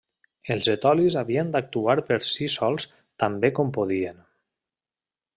Els etolis havien d'actuar per si sols tan bé com podien.